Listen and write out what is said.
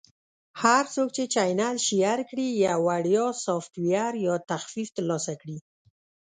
- هر څوک چې چینل Share کړي، یو وړیا سافټویر یا تخفیف ترلاسه کړي.